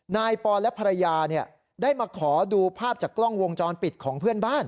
นายปอนและภรรยาได้มาขอดูภาพจากกล้องวงจรปิดของเพื่อนบ้าน